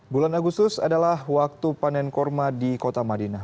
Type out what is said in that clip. bulan agustus adalah waktu panen kurma di kota madinah